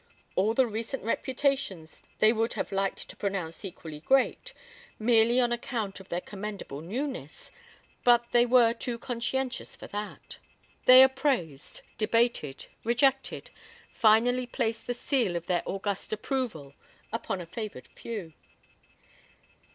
All the recent reputations they would have liked to pronounce equally great, merely on account of their commendable newness, but they were too conscientious for that. They appraised, debated, rejected, finally placed the seal of their august approval upon a favored few.